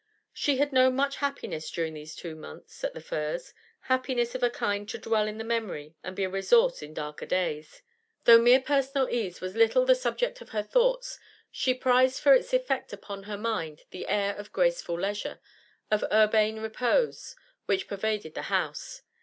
She had known much happiness during these two months at The Firs, happiness of a kind to dwell in the memory and be a resource in darker days. Though mere personal ease was little the subject of her thoughts, she prized for its effect upon her mind the air of graceful leisure, of urbane repose, which pervaded the house.